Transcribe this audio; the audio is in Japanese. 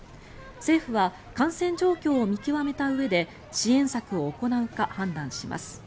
政府は感染状況を見極めたうえで支援策を行うか判断します。